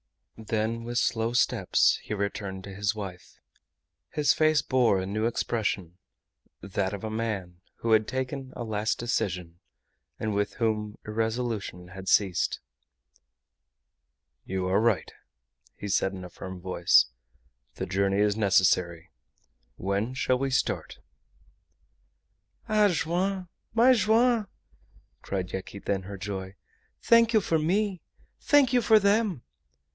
Then with slow steps he returned to his wife. His face bore a new expression, that of a man who had taken a last decision, and with whom irresolution had ceased. "You are right," he said, in a firm voice. "The journey is necessary. When shall we start?" "Ah! Joam! my Joam!" cried Yaquita, in her joy. "Thank you for me! Thank you for them!"